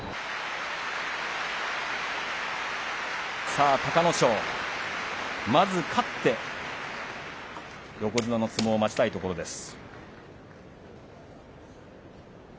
さあ、隆の勝、まず勝って、横綱の相撲を待ちたいところです。